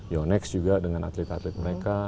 yonex juga dengan atlet atlet mereka